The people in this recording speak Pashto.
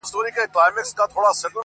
ترېنه وغواړه لمن كي غيرانونه،